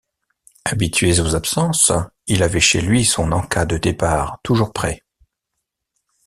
Habitué aux absences, il avait chez lui son en-cas de départ toujours prêt.